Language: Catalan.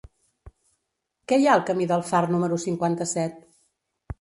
Què hi ha al camí del Far número cinquanta-set?